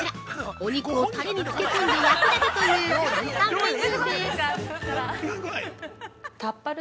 お肉をタレに漬け込んで焼くだけという簡単メニューです。